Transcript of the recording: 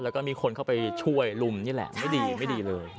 แล้วก็มีคนเข้าไปช่วยลุมนี่แหละไม่ดีไม่ดีเลย